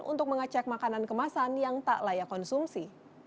untuk mengecek makanan kemasan yang tak layak konsumsi